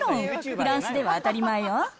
フランスでは当たり前よ。